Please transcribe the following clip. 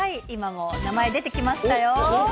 今も名前出てきましたよ。